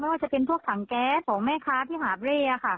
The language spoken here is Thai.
ว่าจะเป็นพวกถังแก๊สของแม่ค้าที่หาบเร่ค่ะ